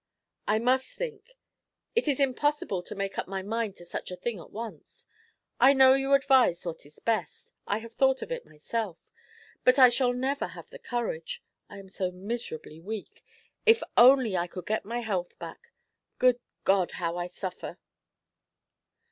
"I must think; it is impossible to make up my mind to such a thing at once. I know you advise what is best; I have thought of it myself. But I shall never have the courage! I am so miserably weak. If only I could get my health back! Good God, how I suffer!"